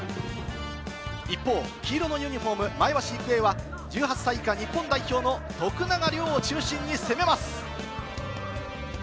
一方、黄色のユニホーム、前橋育英は１８歳以下日本代表の徳永涼を中心に攻めます。